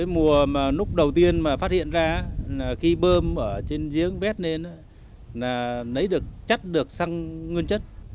mùa đầu tiên phát hiện ra khi bơm trên giếng vét lên chất được sang nguyên chất